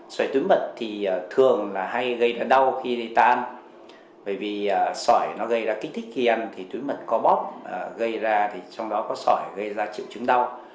sỏi túi mật thì thường là hay gây ra đau khi lây tan bởi vì sỏi nó gây ra kích thích khi ăn thì túi mật có bóp gây ra thì trong đó có sỏi gây ra triệu chứng đau